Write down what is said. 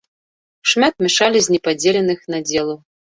Шмат мяшалі з непадзеленых надзелаў.